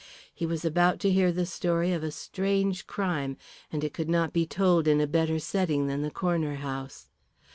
He was about to hear the story of a strange crime, and it could not be told in a better setting than the Corner House.